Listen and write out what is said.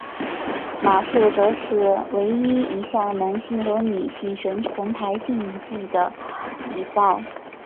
马术则是唯一一项男性和女性选手同台竞技的比赛。